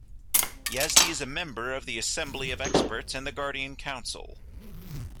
Yazdi is a member of the Assembly of Experts and the Guardian Council.